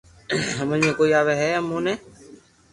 ھمج ۾ ڪوئي آوي ھي اموني